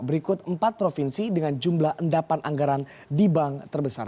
berikut empat provinsi dengan jumlah endapan anggaran di bank terbesar